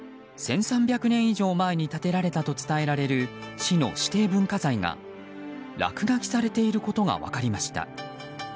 １３００年以上前に建てられたと伝える市の指定文化財が落書きされていることが分かりました。